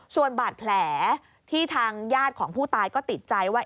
ส่วนบาดแผลที่ทางญาติของผู้ตายก็ติดใจว่า